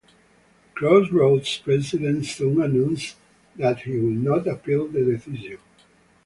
Crossroads' president soon announced that he would not appeal the decision.